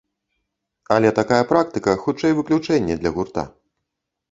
Але такая практыка, хутчэй, выключэнне для гурта.